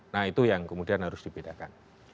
nah itu yang kemudian harus dibedakan